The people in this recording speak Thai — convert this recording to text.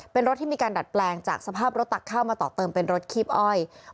เป็นรถที่มีการดัดแปลงจากสภาพรถตักข้าวมาต่อเติมเป็นรถคีบอ้อย